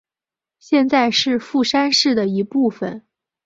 现在是富山市的一部分。